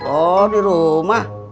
oh di rumah